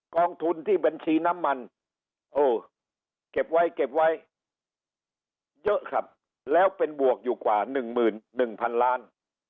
องทุนที่บัญชีน้ำมันเออเก็บไว้เก็บไว้เยอะครับแล้วเป็นบวกอยู่กว่า๑๑๐๐๐ล้าน